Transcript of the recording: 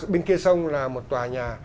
bên kia sông là một tòa nhà